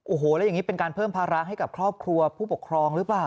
โอ้โหแล้วอย่างนี้เป็นการเพิ่มภาระให้กับครอบครัวผู้ปกครองหรือเปล่า